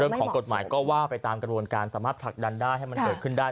เรื่องของกฎหมายก็ว่าไปตามกระบวนการสามารถผลักดันได้ให้มันเกิดขึ้นได้